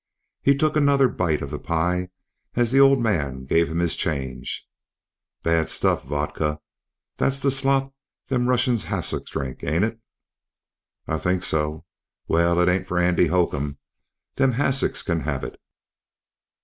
He took another bite of the pie as the old man gave him his change. "Bad stuff, vodka. That's th' slop them Russian hassocks drink, ain't it?" "I think so." "Well, it ain't for Andy Hocum. Them hassocks can have it."